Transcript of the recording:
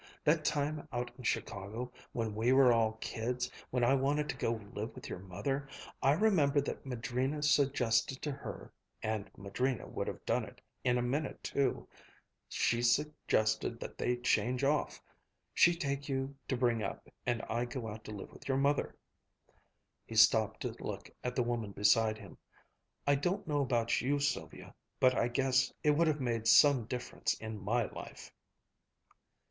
That time out in Chicago, when we were all kids, when I wanted to go to live with your mother, I remember that Madrina suggested to her (and Madrina would have done it in a minute, too) she suggested that they change off, she take you to bring up and I go out to live with your mother," He stopped to look at the woman beside him. "I don't know about you, Sylvia, but I guess it would have made some difference in my life!"